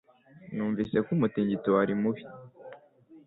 Numvise ko umutingito wari mubi.